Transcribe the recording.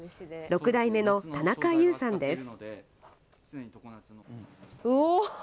６代目の田中優さんです。